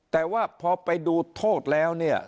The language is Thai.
แต่ว่าพอไปดูโทษแล้วเนี่ย